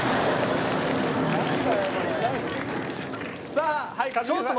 さあはい一茂さん。